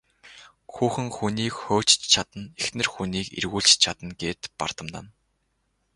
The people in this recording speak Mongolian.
Хүүхэн хүнийг хөөж ч чадна, эхнэр хүнийг эргүүлж ч чадна гээд гэж бардамнана.